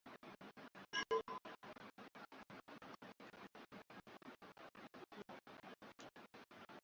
na unaposema mabadiliko katika sekta za maisha tunamaanisha nyumbani